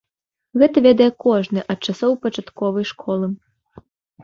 Гэта ведае кожны ад часоў пачатковай школы.